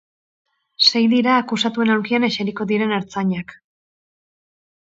Sei dira akusatuen aulkian eseriko diren ertzainak.